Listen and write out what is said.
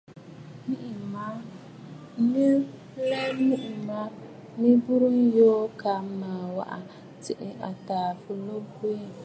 Mə̀ lɛ miʼì ma mɨ burə̀ yoo kaa mə waʼà tsiʼì àtàà fɨlo bwiî.